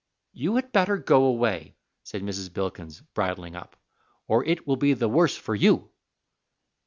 "You had better go away," said Mrs. Bilkins, bridling up, "or it will be the worse for you."